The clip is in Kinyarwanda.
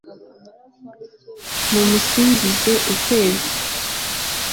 mumusingize, ukwezi